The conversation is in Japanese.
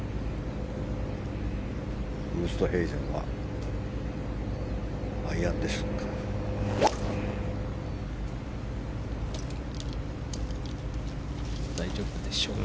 ウーストヘイゼンはアイアンでしょうか。